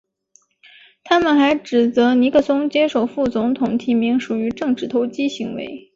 他们还指责尼克松接受副总统提名属于政治投机行为。